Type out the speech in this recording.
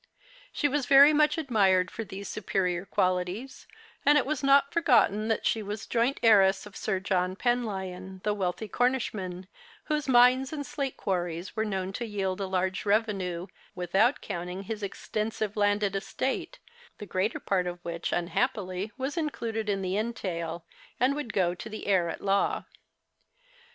She was very much admired for these superior qualities, and it was not forgotten that she was joint heiress of Sir John Penlyon, the wealthy Cornishman, whose mines and slate quarries were known to'yield a large revenue, without counting his extensive landed estate, the greater part of \\ hich unhappily was included in the entail, and would go to the heir at law.